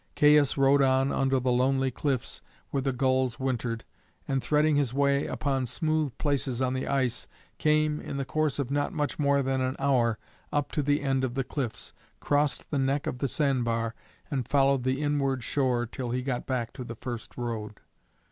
Caius rode on under the lonely cliffs where the gulls wintered, and threading his way upon smooth places on the ice, came, in the course of not much more than an hour, up to the end of the cliffs, crossed the neck of the sand bar, and followed the inward shore till he got back to the first road.